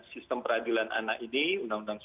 sistem peradilan anak ini undang undang